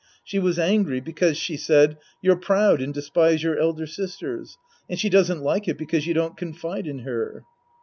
She was angry because, she said, you're proud and despise your elder sisters. And she doesn't like it because you don't confide in her.